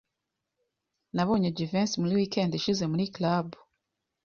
Nabonye Jivency muri weekend ishize muri club.